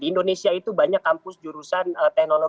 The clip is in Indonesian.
di indonesia itu banyak kampus jurusan teknologi yang berkualitas